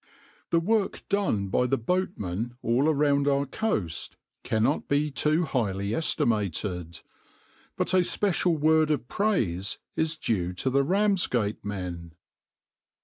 \par The work done by the boatmen all around our coast cannot be too highly estimated, but a special word of praise is due to the Ramsgate men.